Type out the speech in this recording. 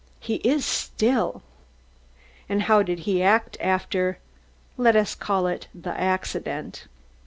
"He is still." "And how did he act after the let us call it the accident?"